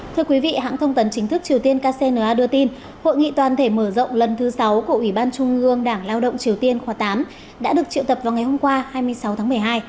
thưa quý vị hãng thông tấn chính thức triều tiên kcna đưa tin hội nghị toàn thể mở rộng lần thứ sáu của ủy ban trung ương đảng lao động triều tiên khoa tám đã được triệu tập vào ngày hôm qua hai mươi sáu tháng một mươi hai